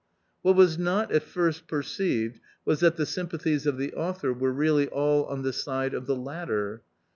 What was not at first perceived was that the sympathies of the author were really all on the side of the latter.